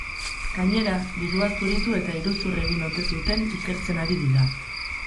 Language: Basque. Gainera, dirua zuritu eta iruzur egin ote zuten ikertzen ari dira.